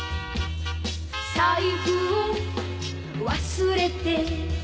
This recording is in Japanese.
「財布を忘れて」